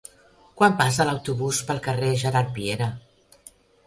Quan passa l'autobús pel carrer Gerard Piera?